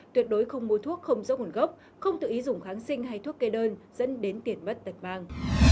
tuyệt đối không mua thuốc không rõ nguồn gốc không tự ý dùng kháng sinh hay thuốc kê đơn dẫn đến tiền mất tật mang